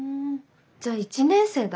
じゃあ１年生だ。